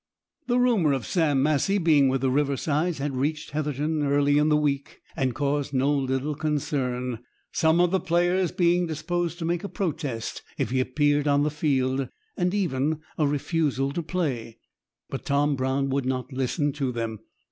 The rumour of Sam Massie being with the Riversides had reached Heatherton early in the week, and caused no little concern, some of the players being disposed to make a protest if he appeared on the field, and even a refusal to play. But Tom Brown would not listen to them.